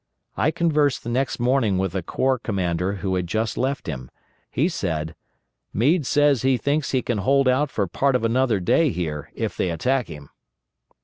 I conversed the next morning with a corps commander who had just left him. He said: "Meade says he thinks he can hold out for part of another day here, if they attack him."